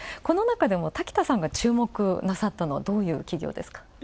このなかでも、滝田さんが注目なさったのはどういう企業ですか。